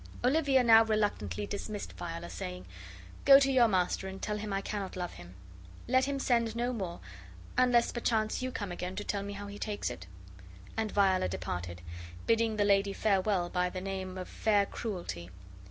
Olivia now reluctantly dismissed Viola, saying: "Go to your master and tell him I cannot love him. Let him send no more, 'unless perchance you come again to tell me how he takes it." And Viola departed, bidding the lady farewell by the name of Fair Cruelty.